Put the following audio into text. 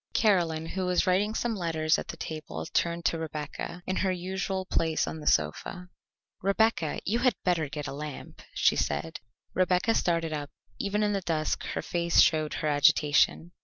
Caroline, who was writing some letters at the table, turned to Rebecca, in her usual place on the sofa. "Rebecca, you had better get a lamp," she said. Rebecca started up; even in the dusk her face showed her agitation.